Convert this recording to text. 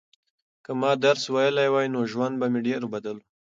که ما درس ویلی وای نو ژوند به مې ډېر بدل و.